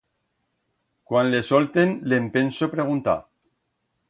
Cuan le solten le'n penso preguntar.